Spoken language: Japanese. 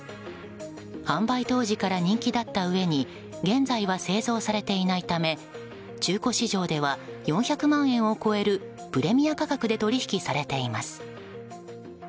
販売当時から人気だったうえに現在は製造されていないため中古市場では４００万円を超えるプレミア価格で取引されています。